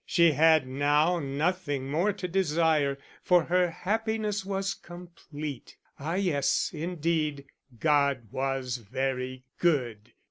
She had now nothing more to desire, for her happiness was complete. Ah yes, indeed, God was very good!